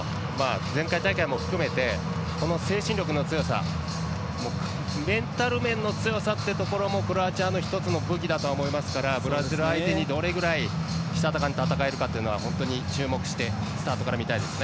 前回大会も含めてこの精神力の強さメンタル面の強さというところもクロアチアの一つの武器だとは思いますからブラジル相手に、どれぐらいしたたかに戦えるかっていうのを本当に注目してスタートから見たいですね。